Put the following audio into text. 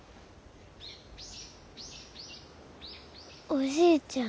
おじいちゃん